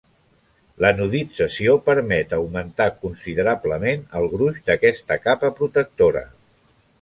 L'anodització permet augmentar considerablement el gruix d'aquesta capa protectora.